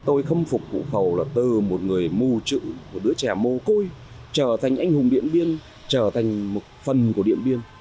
tôi khâm phục cụ khẩu là từ một người mù chữ một đứa trẻ mô côi trở thành anh hùng điện biên trở thành một phần của điện biên